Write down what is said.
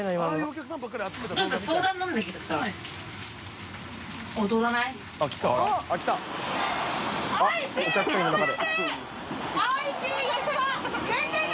お客さんいる中で。））